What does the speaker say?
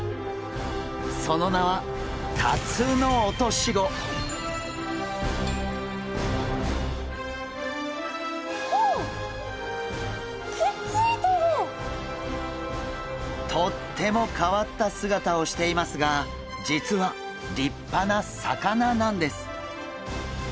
その名はとっても変わった姿をしていますが実は立派な魚なんです。